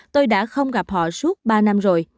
tôi đã không gặp họ suốt ba năm rồi